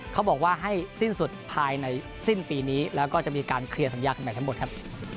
เขาบอกว่าให้สิ้นสุดภายในสิ้นปีนี้แล้วก็จะมีการเคลียร์สัญญากันใหม่ทั้งหมดครับ